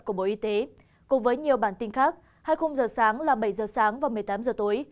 của bộ y tế cùng với nhiều bản tin khác hai khung giờ sáng là bảy giờ sáng và một mươi tám h tối